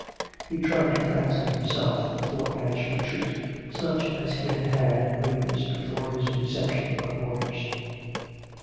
... He tried to fancy him self in a fortnight's retreat, such as he had had at Rheims before his reception of orders.